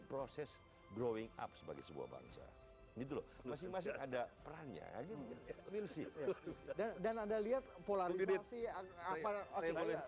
proses growing up sebagai sebuah bangsa gitu loh masih ada perannya dan ada lihat polarisasi akan